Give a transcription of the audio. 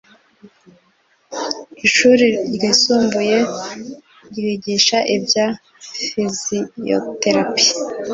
ishuri ryisumbuye ryigisha ibya fiziyoterapi